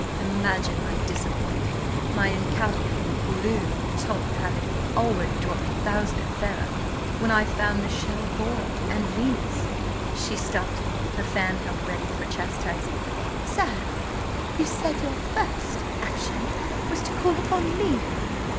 Imagine my disappointment–my incalculable gloom (on the top of having already dropped a thousand at faro) when I found the shell void, and Venus—" She stopped him, her fan held ready for chastisement. "Sir! You said your first action was to call upon me!"